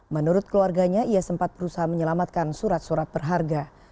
menurut keluarganya ia sempat berusaha menyelamatkan surat surat berharga